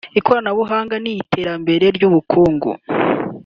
ikoranabuhanga n’iy’iterambere ry’ubukungu